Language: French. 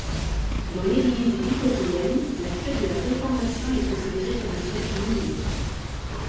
Dans l'Église luthérienne, la fête de la Réformation est considérée comme une fête mineure.